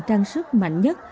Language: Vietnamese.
trang sức mạnh nhất